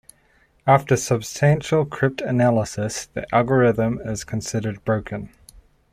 After substantial cryptanalysis, the algorithm is considered broken.